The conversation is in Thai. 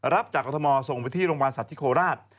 รับจากกรทมส่งไปที่โรงพยาบาลสัตว์ที่โคราช